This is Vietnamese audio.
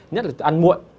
nhất là chúng ta ăn muộn